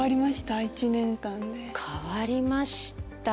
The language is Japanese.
変わりました？